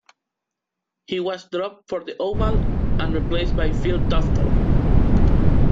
He was dropped for The Oval, and replaced by Phil Tufnell.